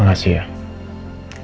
anjali karisma putri